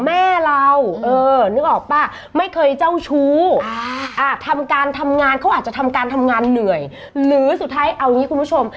หรือสุดท้ายเอางี้คุณผู้ชม